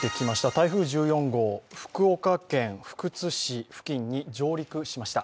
台風１４号、福岡県福津市付近に上陸しました。